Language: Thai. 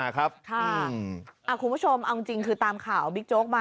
ครับ